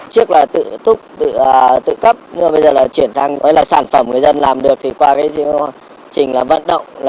trước là tự thúc tự cấp bây giờ là chuyển sang sản phẩm người dân làm được qua trình vận động